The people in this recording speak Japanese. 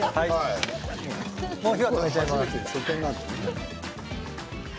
もう火を止めちゃいます。